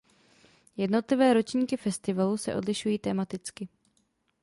Jednotlivé ročníky festivalu se odlišují tematicky.